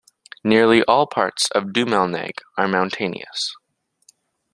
Nearly all parts of Dumalneg are mountainous.